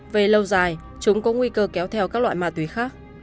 về lâu dài chúng có nguy cơ kéo theo các loại ma túy khác